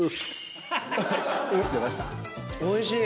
おいしい！